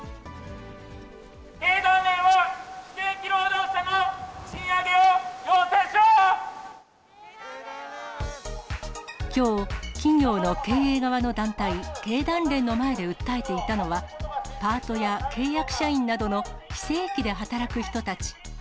経団連は非正規労働者の賃上きょう、企業の経営側の団体、経団連の前で訴えていたのは、パートや契約社員などの非正規で働く人たち。